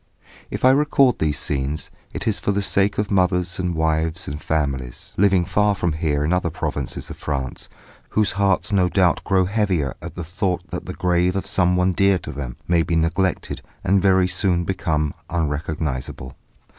If I record these scenes, it is for the sake of mothers and wives and families, living far from here in other provinces of France, whose hearts no doubt grow heavier at the thought that the grave of someone dear to them may be neglected and very soon become unrecognisable.